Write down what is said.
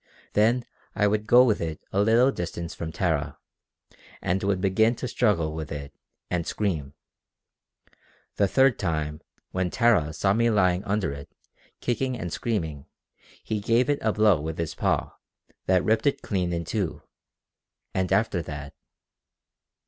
Then I would go with it a little distance from Tara, and would begin to struggle with it, and scream. The third time, when Tara saw me lying under it, kicking and screaming, he gave it a blow with his paw that ripped it clean in two! And after that...."